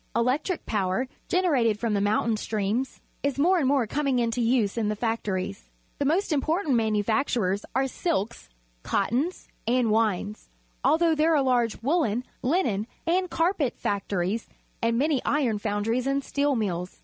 Electric power, generated from the mountain streams, is more and more coming into use in the factories. The most important manufactures are silks, ci; tt(ins, nnd wiues, although there are lar^e wcdllcn, linen, and cjitpat factories and many iroji foimdries and steel jjiilb?.